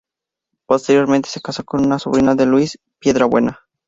Posteriormente se casó con una sobrina de Luis Piedrabuena.